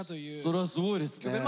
それはすごいですね。